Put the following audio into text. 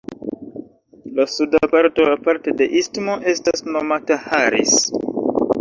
La suda parto aparte de istmo estas nomata Harris.